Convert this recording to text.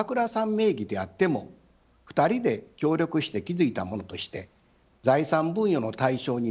名義であっても２人で協力して築いたものとして財産分与の対象になると考えます。